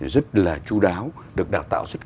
rất là chú đáo được đào tạo rất